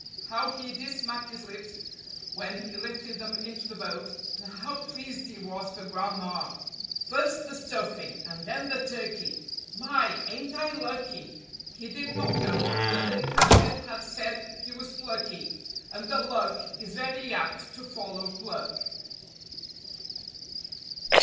How he did smack his lips when he lifted them into the boat, and how pleased he was for grandma! "First the stuffing, and then the turkey! My, ain't I lucky?" He did not know that the captain had said he was plucky, and that luck is very apt to follow pluck.